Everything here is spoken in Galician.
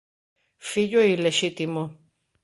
Fillo ilexítimo.